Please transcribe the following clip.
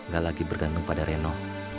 gak lagi bergantung pada reno